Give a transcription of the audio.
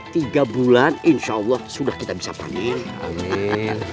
tiga bulan insya allah sudah kita bisa panggil amin